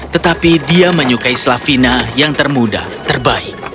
tetapi dia menyukai slavina yang termuda terbaik